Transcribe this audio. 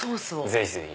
ぜひぜひ。